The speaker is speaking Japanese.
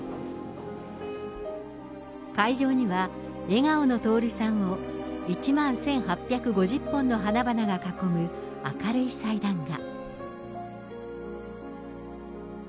会場には、笑顔の徹さんを１万１８５０本の花々が囲む明るい祭壇が。